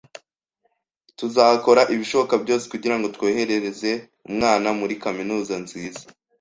Tuzakora ibishoboka byose kugirango twohereze umwana muri kaminuza nziza